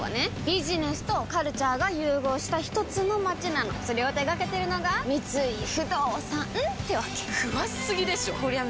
ビジネスとカルチャーが融合したひとつの街なのそれを手掛けてるのが三井不動産ってわけ詳しすぎでしょこりゃ